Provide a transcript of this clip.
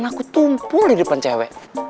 aku tumpul di depan cewek